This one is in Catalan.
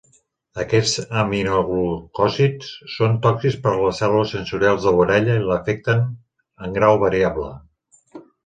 Aquests aminoglucòsids són tòxics per les cèl·lules sensorials de l'orella i l'afecten en grau variable.